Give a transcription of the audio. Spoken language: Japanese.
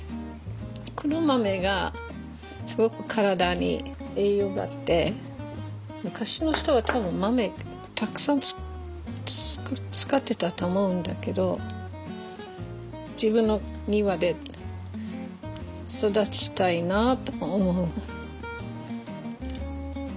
黒豆がすごく体に栄養があって昔の人は多分豆たくさん使ってたと思うんだけど自分の庭で育てたいなあと思う。